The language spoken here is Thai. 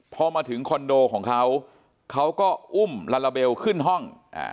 พอมาถึงคอนโดของเขาเขาก็อุ้มลาลาเบลขึ้นห้อง